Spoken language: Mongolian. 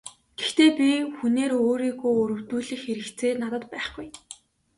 Гэхдээ би хүнээр өөрийгөө өрөвдүүлэх хэрэгцээ надад байхгүй.